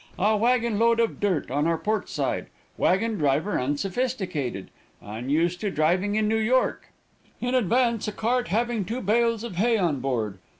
A wagonload of dirt on our port side wagon driver unsophisticated; unused to driving in New York. In advance a cart having two bales of hay on board.